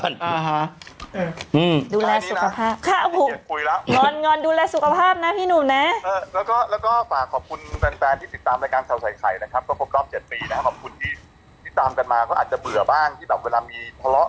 น้องแอฟนักศรอลแล้วก็คุณหนิวนิตา